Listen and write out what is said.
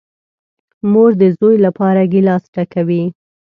مور ده زوی لپاره گیلاس ډکوي .